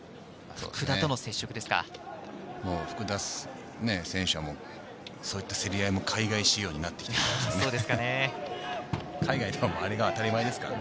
福田選手はもう、そういった競り合いも海外仕様になってきていますからね。